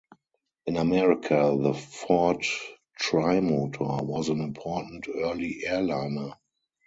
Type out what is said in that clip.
In America, the Ford Trimotor was an important early airliner.